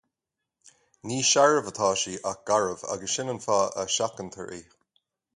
Ní searbh atá sí ach garbh agus sin an fáth a seachantar í